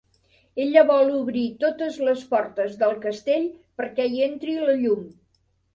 Ella vol obrir totes les portes del castell perquè hi entri la llum.